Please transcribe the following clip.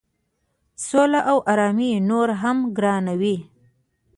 سوله او آرامي نوره هم ګرانوي.